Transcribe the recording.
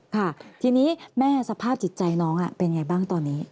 ค่ะทีนี้แม่สภาพจิตใจน้องเป็นไงบ้างตอนนี้